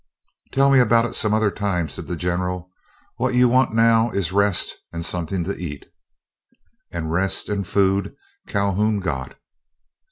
"Tell me about it some other time," said the General. "What you want now is rest and something to eat." And rest and food Calhoun got.